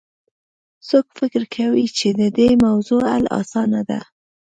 څوک فکر کوي چې د دې موضوع حل اسانه ده